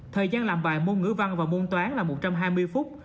thời gian làm bài môn ngữ văn và môn toán là một trăm hai mươi phút